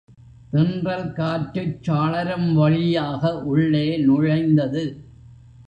தென்றல் காற்றுச் சாளரம் வழியாக உள்ளே நுழைந்தது.